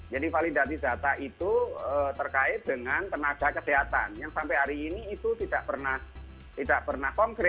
validasi data itu terkait dengan tenaga kesehatan yang sampai hari ini itu tidak pernah konkret